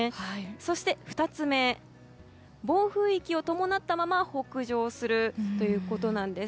そして、２つ目暴風域を伴ったまま北上するということなんです。